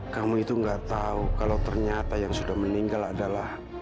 kamu itu nggak tahu kalau ternyata yang sudah meninggal adalah